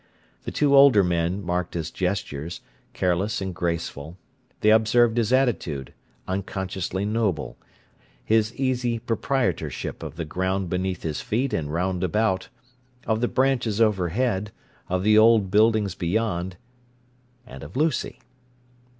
The two older men marked his gestures, careless and graceful; they observed his attitude, unconsciously noble, his easy proprietorship of the ground beneath his feet and round about, of the branches overhead, of the old buildings beyond, and of Lucy.